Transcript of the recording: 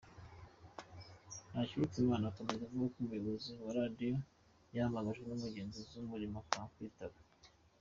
Ntakirutimana akomeza avuga ko umuyobozi wa radiyo yahamagajwe n’umugenzuzi w’Umurimo akanga kwitaba.